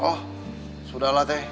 oh sudahlah teh